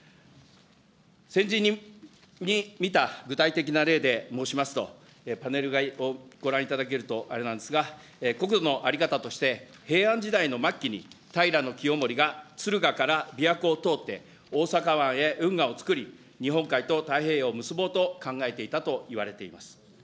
先人に見た具体的な例で申しますと、パネルをご覧いただけるとあれなんですが、国土の在り方として、平安時代の末期に平清盛がつるがから琵琶湖を通って、大阪湾へ運河をつくり、日本海と太平洋を結ぼうと考えていたといわれています。